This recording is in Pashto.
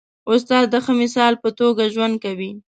استاد د ښه مثال په توګه ژوند کوي.